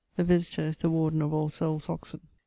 The Visitor is the Warden of All Soules, Oxon.